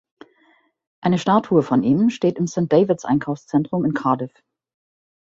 Eine Statue von ihm steht im St-Davids-Einkaufszentrum in Cardiff.